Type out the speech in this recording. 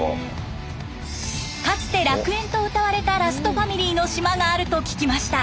かつて「楽園」とうたわれたラストファミリーの島があると聞きました。